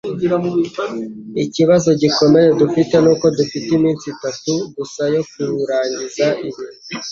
Ikibazo gikomeye dufite nuko dufite iminsi itatu gusa yo kurangiza ibi